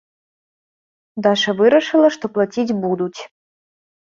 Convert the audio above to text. Даша вырашыла, што плаціць будуць.